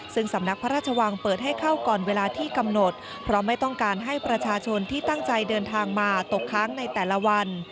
ซึ่งสำนักพระราชวังเปิดให้เข้าก่อนเวลาที่กำหนดเพราะไม่ต้องการให้ประชาชนที่ตั้งใจเดินทางมาตกค้างในแต่ละวัน